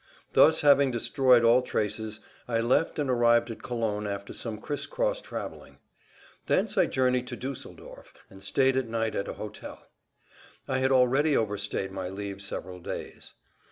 Thus having destroyed all traces, I left and arrived at Cologne after some criss cross traveling. Thence I journeyed to Duesseldorf and stayed at night at an hotel. I had already overstayed my leave several days.